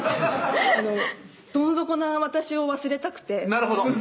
どん底な私を忘れたくてなるほど！